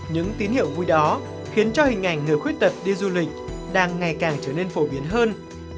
những tín hiệu vui đó khiến cho hình ảnh người khuyết tật đi du lịch đang ngày càng trở nên phổ biến hơn